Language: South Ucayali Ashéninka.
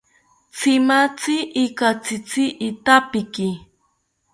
Tzimatzi ikatzitzi itapiki